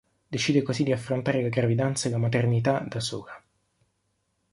Decide così di affrontare la gravidanza e la maternità da sola.